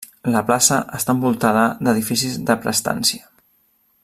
La plaça està envoltada d'edificis de prestància.